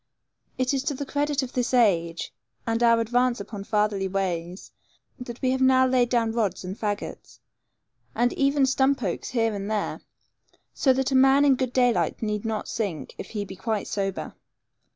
It is to the credit of this age, and our advance upon fatherly ways, that now we have laid down rods and fagots, and even stump oaks here and there, so that a man in good daylight need not sink, if he be quite sober.